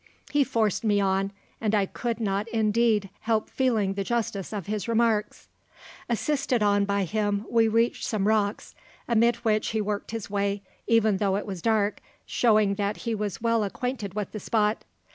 "He forced me on; and I could not indeed help feeling the justice of his remarks. "Assisted on by him we reached some rocks, amid which he worked his way, even though it was dark, showing that he was well acquainted with the spot.